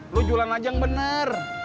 lo jualan aja yang bener